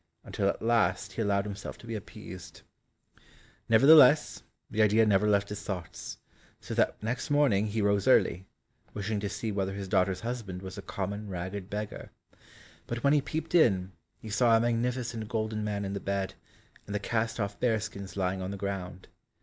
until at last he allowed himself to be appeased. Nevertheless the idea never left his thoughts, so that next morning he rose early, wishing to see whether his daughter's husband was a common ragged beggar. But when he peeped in, he saw a magnificent golden man in the bed, and the cast off bear skins lying on the ground.